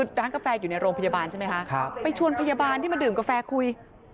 อยู่รั้งกาแฟอยู่ในโรงพยาบาลไปชวนพยาบาลที่มาดื่มกาแฟคุย